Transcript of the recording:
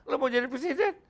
lo mau jadi presiden